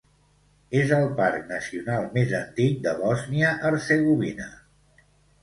És el parc nacional més antic de Bòsnia Hercegovina.